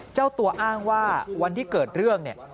เจ้าตัวอ้างว่าวันที่เกิดเรื่องเนี่ย